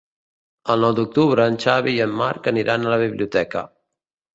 El nou d'octubre en Xavi i en Marc aniran a la biblioteca.